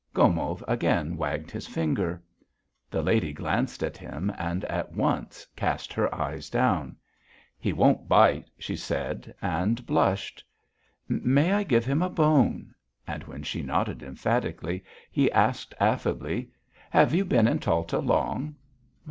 Gomov again wagged his finger. The lady glanced at him and at once cast her eyes down. "He won't bite," she said and blushed. "May I give him a bone?" and when she nodded emphatically, he asked affably: "Have you been in Talta long?"